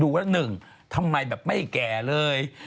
ดูว่า๑ทำไมแบบไม่แก่เลย